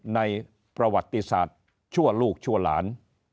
ในประวัติศาสตร์ชั่วลูกชั่วหลาน